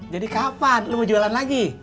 jadi kapan lo mau jualan lagi